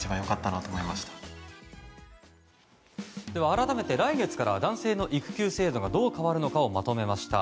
改めて、来月から男性の育休制度がどう変わるのかをまとめました。